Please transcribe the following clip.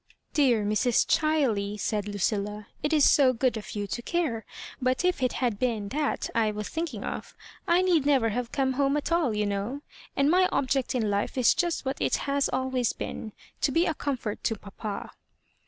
" Dear Mrs. ChQey I " said Lucilla, "it is so good of you to care ; but if it had been thai I was thinking o^ I need never have come home at all, you know ; and my object in life is just what it has always been, to be a comfort to papa."